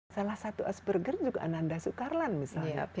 salah satu asperger juga ananda sukarlan misalnya